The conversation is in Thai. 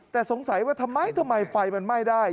แต่สงสัยว่าทำไมทำไมไฟมันไหม้ได้